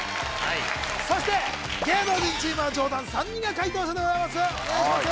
そして芸能人チームは上段３人が解答者でございますお願いします